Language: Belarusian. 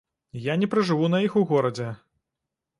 Я не пражыву на іх у горадзе.